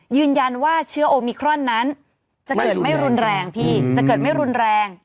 ยืนยันว่าเชื้อโอมิครอนนั้นจะเกิดไม่รุนแรงพี่